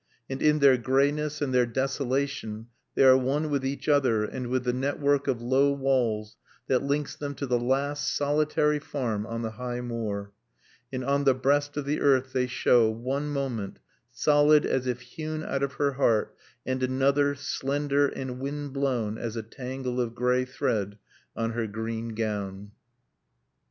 And in their grayness and their desolation they are one with each other and with the network of low walls that links them to the last solitary farm on the High Moor. And on the breast of the earth they show, one moment, solid as if hewn out of her heart, and another, slender and wind blown as a tangle of gray thread on her green gown.